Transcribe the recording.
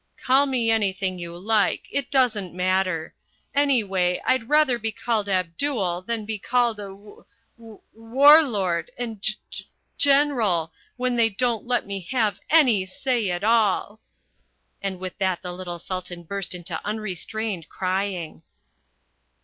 "Call me anything you like. It doesn't matter. Anyway I'd rather be called Abdul than be called a W W War Lord and a G G General when they won't let me have any say at all " And with that the little Sultan burst into unrestrained crying.